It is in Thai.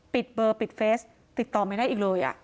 เบอร์ปิดเฟสติดต่อไม่ได้อีกเลย